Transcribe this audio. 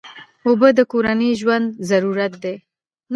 اوبه د کورنۍ ژوند ضرورت دی.